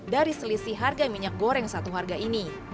dari selisih harga minyak goreng satu harga ini